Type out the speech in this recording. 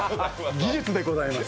技術でございます。